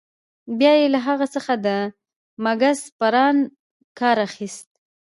بیا يې له هغه څخه د مګس پران کار اخیست.